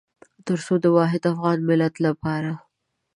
تر څو د واحد افغان ملت لپاره.